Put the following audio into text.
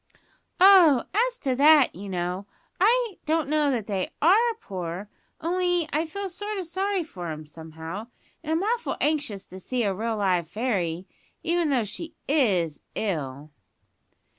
"Oh, as to that, you know, I don't know that they are poor. Only I feel sort o' sorry for 'em, somehow, and I'm awful anxious to see a real live fairy, even though she is ill."